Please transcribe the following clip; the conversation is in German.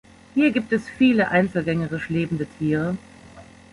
Hier gibt es viele einzelgängerisch lebende Tiere.